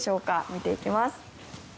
見ていきます。